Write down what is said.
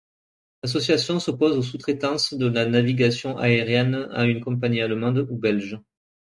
L'association s'oppose au sous-traitance de la navigation aérienne à une compagnie allenmande ou belge.